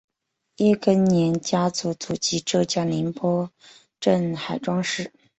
叶庚年家族祖籍浙江宁波镇海庄市。